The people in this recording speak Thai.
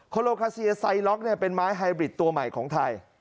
โลคาเซียไซล็อกเป็นไม้ไฮบริดตัวใหม่ของไทย